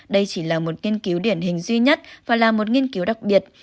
đây chỉ là một nghiên cứu điển hình duy nhất và là một nghiên cứu đặc biệt